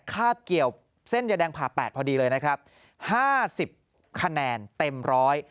คาบเกี่ยวเส้นยาแดงผ่าแปดพอดีเลยนะครับห้าสิบคะแนนเต็มร้อย